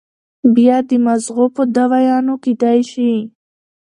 بيا د مزغو پۀ دوايانو کېدے شي